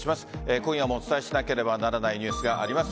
今夜もお伝えしなければならないニュースがあります。